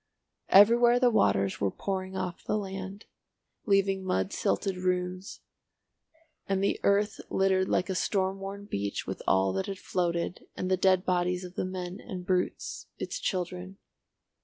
Everywhere the waters were pouring off the land, leaving mud silted ruins, and the earth littered like a storm worn beach with all that had floated, and the dead bodies of the men and brutes, its children.